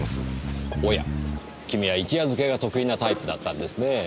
おや君は一夜漬けが得意なタイプだったんですね。